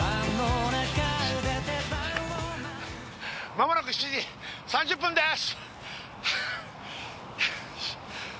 まもなく７時３０分です